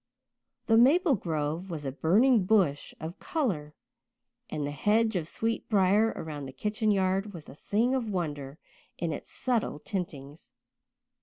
The maple grove was a burning bush of colour and the hedge of sweet briar around the kitchen yard was a thing of wonder in its subtle tintings.